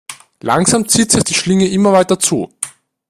Langsam zieht sich die Schlinge immer weiter zu.